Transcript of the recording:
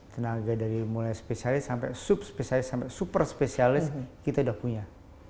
tenaga dari mulai spesialis sampai subspesialis sampai superspesialis kita sudah punya